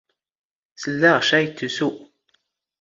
ⵙⵍⵍⴰⵖ ⵛⴰ ⵉⵜⵜⵓⵙⵓ.